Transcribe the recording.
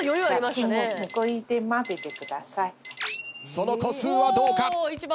その個数はどうか。